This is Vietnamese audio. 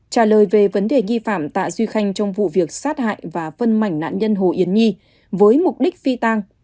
trả lời về vấn đề nghi phạm tạ duy khanh trong vụ việc sát hại và phân mảnh nạn nhân hồ yến nhi với mục đích phi tang